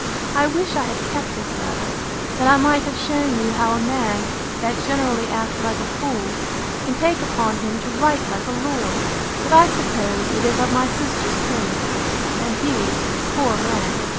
I wish I had kept his letter, that I might have shewn you how a man, that generally acts like a fool, can take upon him to write like a lord. But I suppose it is of my sister's penning, and he, poor man!